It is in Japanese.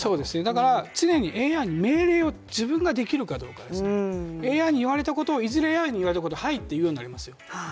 だから常にＡＩに命令を自分ができるかどうかですね、ＡＩに言われたことに、人間は「はい」と言うようになりますよ。